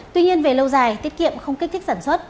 tuy nhiên về lâu dài tiết kiệm không kích thích sản xuất